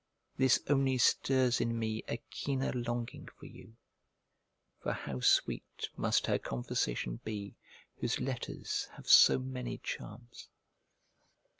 this only stirs in me a keener longing for you; for how sweet must her conversation be whose letters have so many charms?